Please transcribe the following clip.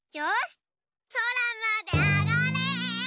そらまであがれ！